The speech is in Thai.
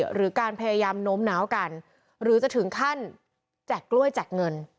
หรือการพยายามโน้มน้าวกันหรือจะถึงขั้นแจกกล้วยแจกเงิน